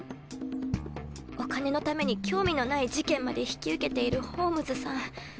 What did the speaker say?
お金のために興味のない事件まで引き受けているホームズさん。